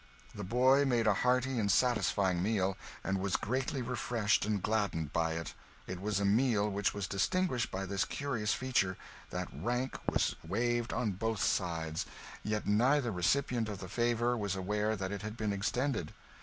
The boy made a hearty and satisfying meal, and was greatly refreshed and gladdened by it. It was a meal which was distinguished by this curious feature, that rank was waived on both sides; yet neither recipient of the favour was aware that it had been extended.